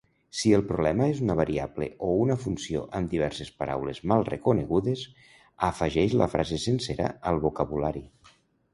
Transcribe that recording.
Si el problema és una variable o una funció amb diverses paraules mal reconegudes, afegeix la frase sencera al vocabulari.